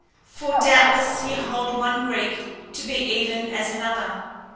For doubtless ye hold one Greek to be even as another.